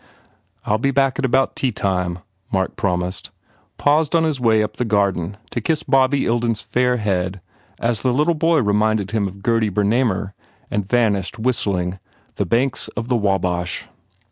"I ll be back about tea time," Mark promised, paused on his way up the garden to kiss Bobby Ilden s fair head as the little boy reminded him of Gurdy Bernamer and vanished whistling "The Banks of the Wabash."